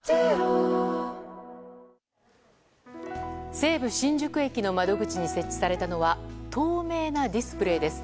西武新宿駅の窓口に設置されたのは透明なディスプレーです。